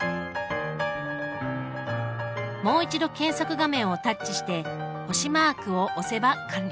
もう一度検索画面をタッチして星マークを押せば完了。